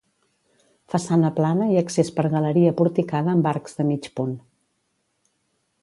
Façana plana i accés per galeria porticada amb arcs de mig punt.